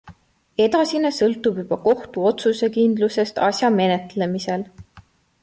Edasine sõltub juba kohtu otsusekindlusest asja menetlemisel.